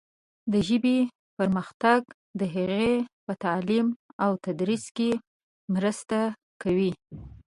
د ژبې پرمختګ د هغې په تعلیم او تدریس کې مرسته کوي.